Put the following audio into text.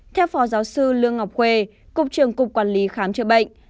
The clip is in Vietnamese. theo phó giáo sư lương ngọc huê cục trưởng cục quản lý khám trợ bệnh